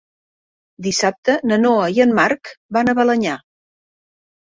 Dissabte na Noa i en Marc van a Balenyà.